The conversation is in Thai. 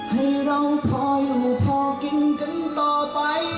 ให้เราพออยู่พอกินกันต่อไป